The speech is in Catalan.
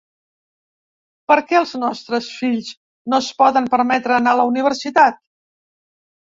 Per què els nostres fills no es poden permetre anar a la universitat?.